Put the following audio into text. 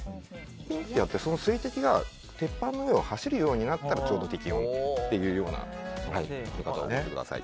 ピンとやってその水滴が鉄板の上を走るようになったらちょうど適温というようなものだと思ってください。